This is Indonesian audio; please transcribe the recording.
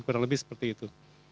kurang lebih seperti itu